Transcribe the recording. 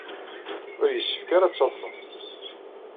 Ur yessefk ara ad d-tadfem.